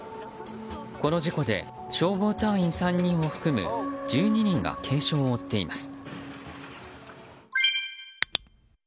この事故で消防隊員３人を含む１２人が軽傷を負っています。